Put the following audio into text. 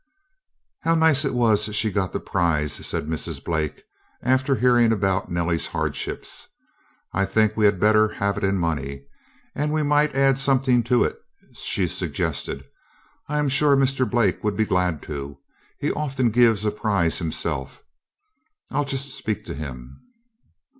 "How nice it was she got the prize," said Mrs. Blake, after hearing about Nellie's hardships. "I think we had better have it in money and we might add something to it," she suggested. "I am sure Mr. Blake would be glad to. He often gives a prize himself. I'll just speak to him."